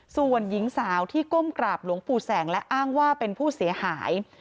ส่วนหญิงสาวที่ก้มกราบหลวงปู่แสงและอ้างว่าเป็นผู้เสียหาย